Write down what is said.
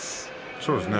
そうですね。